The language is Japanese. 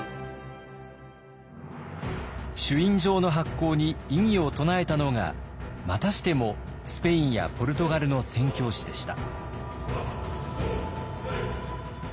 朱印状の発行に異議を唱えたのがまたしてもスペインやポルトガルの宣教師でした。